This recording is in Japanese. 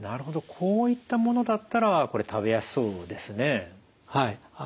こういったものだったら食べやすそうですね。